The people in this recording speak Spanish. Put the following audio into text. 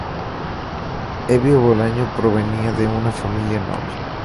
Hevia Bolaño provenía de una familia noble.